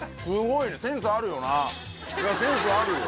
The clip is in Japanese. いやセンスあるよ。